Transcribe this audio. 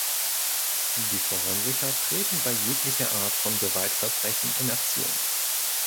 Die Forensiker treten bei jeglicher Art von Gewaltverbrechen in Aktion.